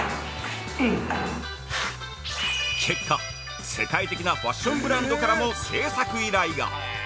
結果、世界的なファッションブランドからも製作依頼が！